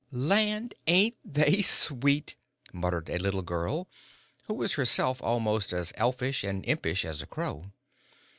"Land! ain't they sweet!" muttered a little girl, who was herself almost as elfish and impish as a crow.